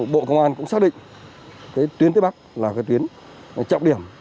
bộ công an cũng xác định tuyến tây bắc là tuyến trọng điểm